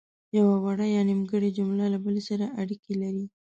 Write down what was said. یوه وړه یا نیمګړې جمله له بلې سره اړیکې لري.